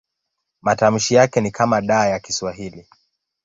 Matamshi yake ni kama D ya Kiswahili.